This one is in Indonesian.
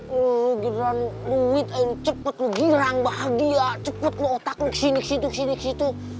lu giliran lu wita cepet lu girang bahagia cepet lu otak lu kesini kesitu kesini kesitu